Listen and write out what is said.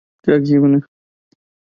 دیکھو تو کدھر آج رخ باد صبا ہے